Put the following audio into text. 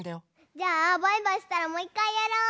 じゃあバイバイしたらもういっかいやろう！